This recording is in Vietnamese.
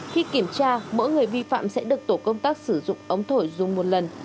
khi kiểm tra mỗi người vi phạm sẽ được tổ công tác sử dụng ống thổi dùng một lần